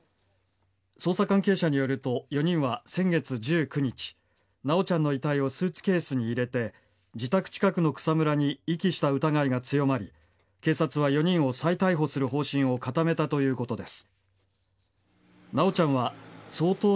捜査関係者によると４人は先月１９日修ちゃんの遺体をスーツケースに入れて自宅近くの草むらに遺棄した疑いが強まり警察は、４人を再逮捕する方針を固めたということです。